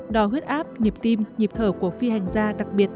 đo huyết áp nhịp tim nhịp thở của phi hành gia đặc biệt